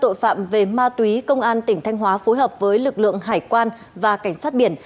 đội phạm về ma túy công an tỉnh thanh hóa phối hợp với lực lượng hải quan và cảnh sát biển